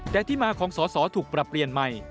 แต่ที่มาของสอสอถูกปรับเปลี่ยนใหม่